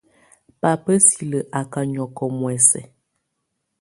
Babá silǝ́ á ká nyɔ́kɔ muɛsɛ.